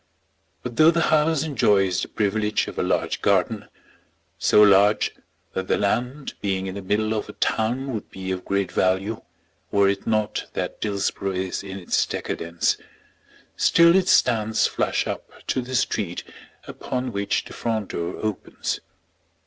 But though the house enjoys the privilege of a large garden, so large that the land being in the middle of a town would be of great value were it not that Dillsborough is in its decadence, still it stands flush up to the street upon which the front door opens.